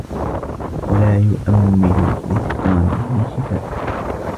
وَلَا يُؤَمِّلُ لِسَقَامِهِ شِفَاءً